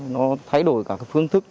nó thay đổi cả phương thức